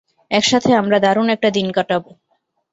একসাথে আমরা দারুন একটা দিন কাটাবো।